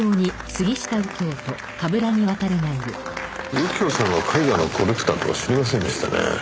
右京さんが絵画のコレクターとは知りませんでしたね。